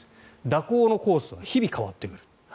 蛇行のコースは日々変わってくる。